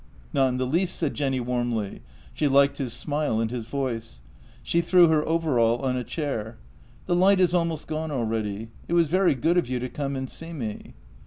" Not in the least," said Jenny warmly. She liked his smile and his voice. She threw her overall on a chair :" The light is almost gone already. It was very good of you to come and see me."